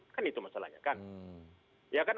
kan itu masalahnya kan